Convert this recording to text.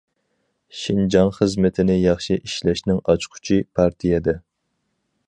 شىنجاڭ خىزمىتىنى ياخشى ئىشلەشنىڭ ئاچقۇچى پارتىيەدە.